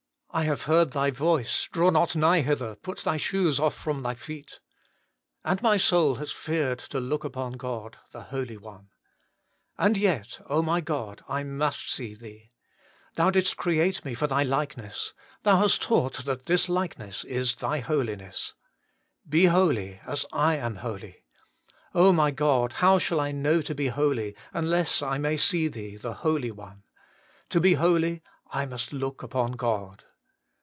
I have heard Thy voice, Draw not nigh hither ; put thy shoes off from thy feet. And my soul has feared to look upon God, the Holy One. And yet, O my God ! I must see Thee. Thou didst create me for Thy likeness. Thou hast taught that this likeness is Thy Holiness :' Be holy, as I am holy.' O my God ! how shall I know to be holy, unless I may see Thee, the Holy One ? To be holy, I must look upon God.